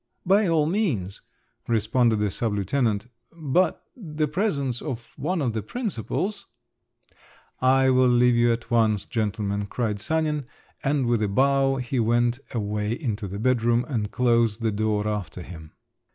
"By all means," responded the sub lieutenant, "but … the presence of one of the principals …" "I will leave you at once, gentlemen," cried Sanin, and with a bow he went away into the bedroom and closed the door after him.